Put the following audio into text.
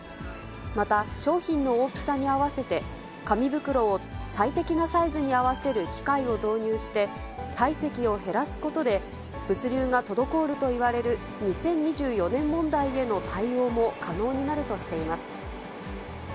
また、商品の大きさに合わせて、紙袋を最適なサイズに合わせる機械を導入して、体積を減らすことで、物流が滞るといわれる２０２４年問題への対応も可能になるとしています。